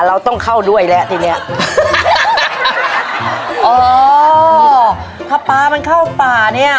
เราต้องเข้าด้วยแล้วทีเนี้ยอ๋อถ้าปลามันเข้าป่าเนี้ย